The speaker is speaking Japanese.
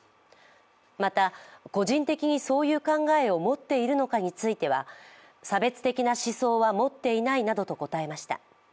また、個人的にそういう考えを持っているのかについては差別的な思想は持っていないなどと答えました。